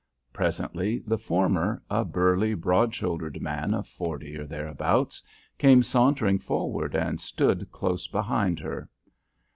Presently the former, a burly, broad shouldered man of forty or thereabouts, came sauntering forward and stood close behind her.